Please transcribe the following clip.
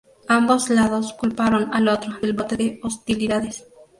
Ambos lados culparon al otro del brote de hostilidades.